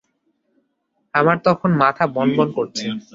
আমার তখন মাথা বনবন করছে।